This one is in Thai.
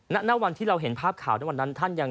นางที่เราเห็นภาพข่าวท่านยังแข็งแรง